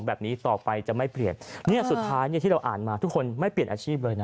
แบบนี้ต่อไปจะไม่เปลี่ยนเนี่ยสุดท้ายเนี่ยที่เราอ่านมาทุกคนไม่เปลี่ยนอาชีพเลยนะ